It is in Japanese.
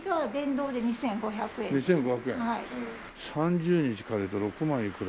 ３０日借りると６万いくら。